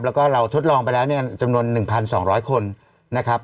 แล้วก็เราทดลองไปแล้วเนี่ยจำนวน๑๒๐๐คนนะครับ